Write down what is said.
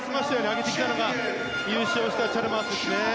上げてきたのが優勝したチャルマースですね。